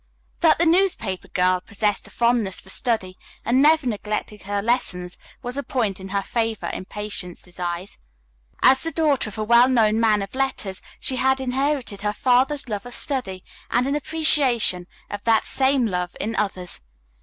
That the newspaper girl possessed a fondness for study and never neglected her lessons was a point in her favor, in Patience's eyes. As the daughter of a well known man of letters she had inherited her father's love of study and an appreciation of that same love in others.